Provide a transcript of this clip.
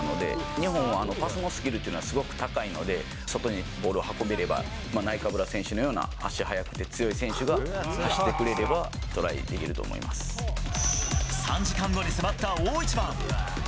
日本はパスのスキルっていうのがすごく高いので、外にボールを運べれば、ナイカブラ選手のような足が速くて強い選手が走ってくれれば、３時間後に迫った大一番。